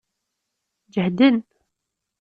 Jehden.